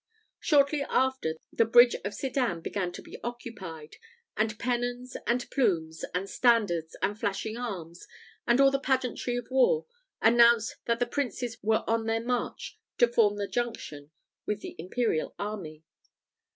Shortly after, the bridge of Sedan began to be occupied; and pennons, and plumes, and standards, and flashing arms, and all the pageantry of war, announced that the princes were on their march to form their junction with the imperial army.